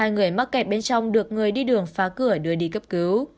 hai người mắc kẹt bên trong được người đi đường phá cửa đưa đi cấp cứu